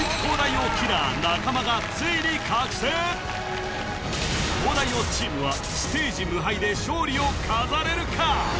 ついに東大王チームはステージ無敗で勝利を飾れるか？